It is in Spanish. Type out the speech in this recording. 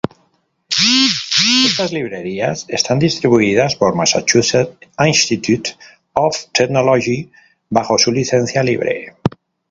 Estas librerías están distribuidas por Massachusetts Institute of Technology bajo su licencia libre.